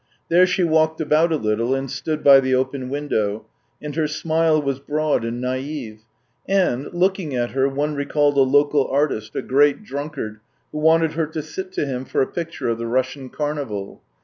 There she walked about a little and stood byjthe open window, and her smile was broad and I 13 194 THE TALES OF TCHEHOV naive, and, looking at her, one recalled a local artist, a great drunkard, who wanted her to sit to him for a picture of the Russian carnival.